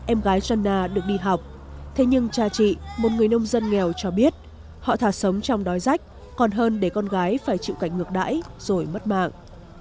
em gái jonna được đi học thế nhưng cha chị một người nông dân nghèo cho biết họ thà sống trong đói rách còn hơn để con gái phải chịu cảnh ngược đáy rồi mất mạng